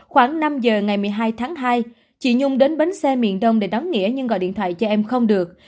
khoảng năm giờ ngày một mươi hai tháng hai chị nhung đến bến xe miền đông để đóng nghĩa nhưng gọi điện thoại cho em không được